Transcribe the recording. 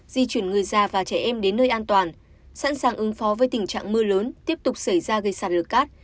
di chuyển người già và trẻ em đến nơi an toàn sẵn sàng ứng phó với tình trạng mưa lớn tiếp tục xảy ra gây sạt lở cát